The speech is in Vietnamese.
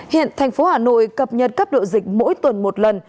hiện thành phố hà nội cập nhật cấp độ dịch mỗi tuần một lần